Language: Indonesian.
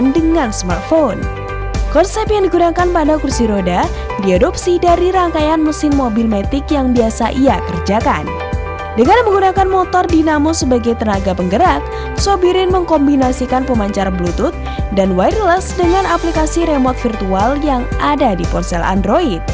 dengan smartphone dengan menggunakan motor dinamo sebagai tenaga penggerak sobirin mengkombinasikan pemancar bluetooth dan wireless dengan aplikasi remote virtual yang ada di ponsel android